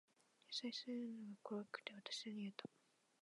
優しくされるのが怖くて、わたしは逃げた。